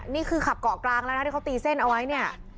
นี่คือขับเกาะกลางแล้วนะที่เขาตีเส้นเอาไว้เนี่ย